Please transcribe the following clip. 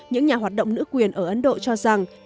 những nhà hoạt động nữ quyền ở ấn độ cho rằng